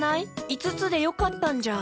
いつつでよかったんじゃ。